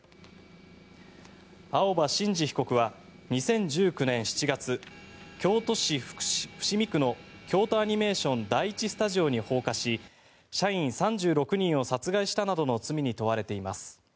青葉真司被告は２０１９年７月京都市伏見区の京都アニメーション第１スタジオに放火し社員３６人を殺害したなどの罪に問われています。